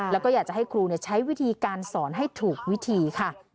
แล้วก็อยากจะให้ครูใช้วิธีการสอนให้ถูกวิธีค่ะ